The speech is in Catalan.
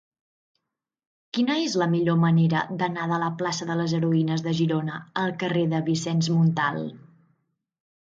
Quina és la millor manera d'anar de la plaça de les Heroïnes de Girona al carrer de Vicenç Montal?